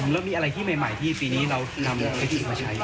แล้วมีอะไรที่ใหม่ที่ปีนี้เรานำเทคนิคมาใช้